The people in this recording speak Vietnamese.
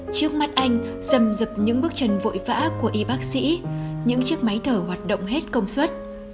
trước mắt anh sầm rực những bước chân vội vã của y bác sĩ những chiếc máy thở hoạt động hết công suất